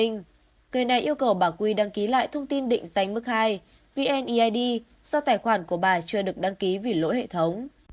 người này yêu cầu bà quy đăng ký lại thông tin định danh mức hai vneid do tài khoản của bà chưa được đăng ký vì lỗi hệ thống